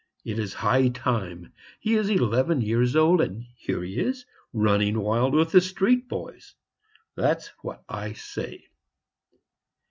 It is high time; he is eleven years old, and here he is running wild with the street boys. That's what I say."